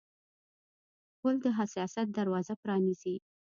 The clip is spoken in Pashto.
غول د حساسیت دروازه پرانیزي.